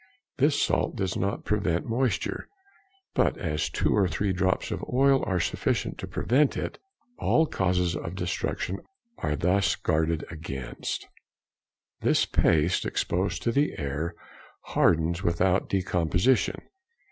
This salt does not prevent moisture, but as two or |169| three drops of oil are sufficient to prevent it, all causes of destruction are thus guarded against. This paste exposed to the air hardens without decomposition.